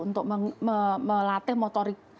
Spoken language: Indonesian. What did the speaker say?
untuk melatih motorik